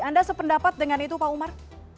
anda sependapat dengan itu pak umar